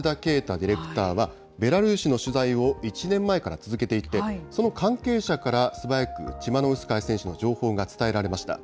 ディレクターは、ベラルーシの取材を１年前から続けていて、その関係者から素早くチマノウスカヤ選手の情報が伝えられました。